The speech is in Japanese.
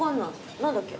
何だっけ？